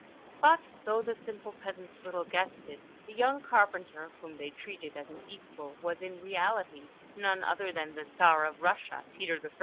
But, though the simple peasants little guessed it, the young carpenter whom they treated as an equal was in reality none other than the Czar of Russia, Peter I.